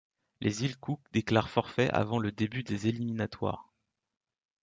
Les Îles Cook déclarent forfait avant le début des éliminatoires.